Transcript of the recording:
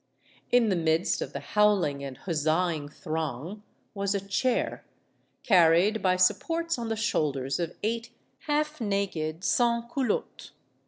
In the midst of the howling and huzzaing throng was a chair, carried by supports on the shoulders of eight half naked sans culottes.